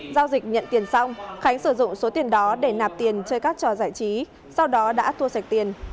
giao dịch nhận tiền xong khánh sử dụng số tiền đó để nạp tiền chơi các trò giải trí sau đó đã thua sạch tiền